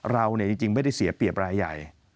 เราจริงไม่ได้เสียเปรียบรายใหญ่